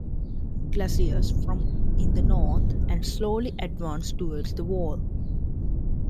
Glaciers form in the north and slowly advance towards the wall.